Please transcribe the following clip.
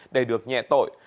để được nhẹ tội